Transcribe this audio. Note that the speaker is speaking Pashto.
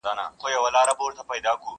او که نه وي نو حتما به کیمیاګر یې،